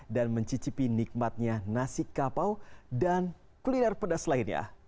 dan mencicipi nikmatnya nasi kapau dan kuliner pedas lainnya